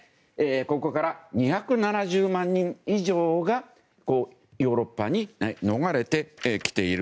ここから２７０万人以上がヨーロッパに逃れてきている。